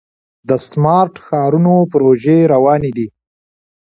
د سمارټ ښارونو پروژې روانې دي.